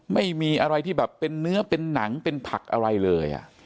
ไม่มีอะไรที่แบบเป็นเนื้อเป็นหนังเป็นผักอะไรเลย